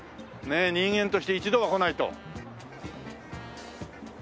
人間として一度は来ないと。